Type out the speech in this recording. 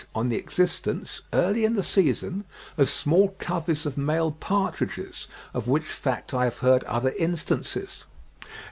140) on the existence, early in the season, of small coveys of male partridges, of which fact I have heard other instances.